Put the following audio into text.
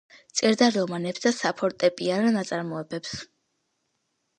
წერდა რომანსებს და საფორტეპიანო ნაწარმოებებს.